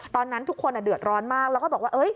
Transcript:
ตอนนั้นทุกคนเดือดร้อนมากแล้วก็บอกว่า